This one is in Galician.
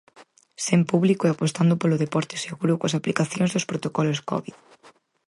Sen público e apostando polo deporte seguro coas aplicacións dos protocolos Covid.